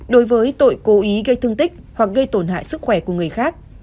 đối với tội cố ý gây thương tích hoặc gây tổn hại sức khỏe của người khác